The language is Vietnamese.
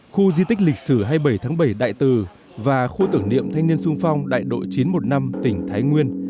khu di tích lịch sử hai mươi bảy tháng bảy đại tử và khu tưởng niệm thanh niên sung phong đại đội chín trăm một mươi năm tỉnh thái nguyên